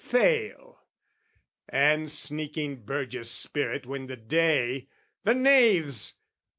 fail, And sneaking burgess spirit win the day: The knaves!